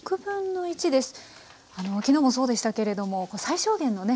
あの昨日もそうでしたけれども最小限のね